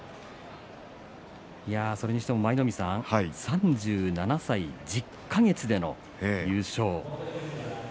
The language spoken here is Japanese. いや、それにしても舞の海さん３７歳１０か月での優勝。